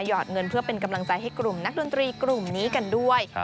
อดเงินเพื่อเป็นกำลังใจให้กลุ่มนักดนตรีกลุ่มนี้กันด้วย